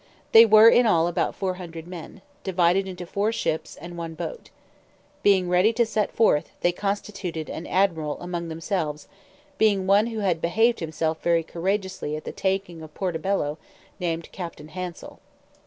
They were in all about four hundred men, divided into four ships and one boat: being ready to set forth, they constituted an admiral among themselves, being one who had behaved himself very courageously at the taking of Puerto Bello, named Captain Hansel.